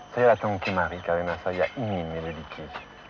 saya datang ke mari karena saya ingin melidiki